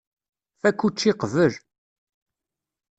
Fakk učči qbel.